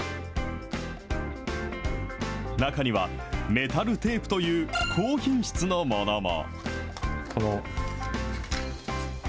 中には、メタルテープという高品質のものも。